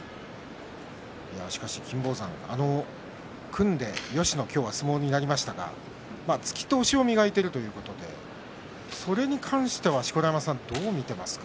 金峰山、組んでよしの今日は、相撲になりましたが突きと押しを磨いているということでそれに関しては、錣山さんどう見ていますか？